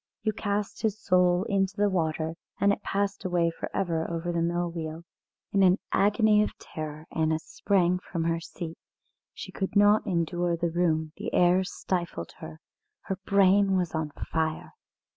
You cast his soul into the water, and it passed away for ever over the mill wheel." In an agony of terror Anna sprang from her seat. She could not endure the room, the air stifled her; her brain was on fire.